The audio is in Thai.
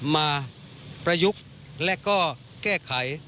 ประยุกต์และก็แก้ไข